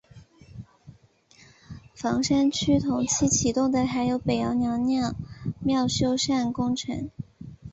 房山区同期启动的还有北窖娘娘庙修缮工程。